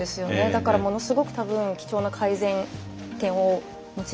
だからものすごく多分貴重な改善点をお持ちで。